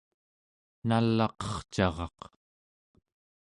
nal'aqercaraq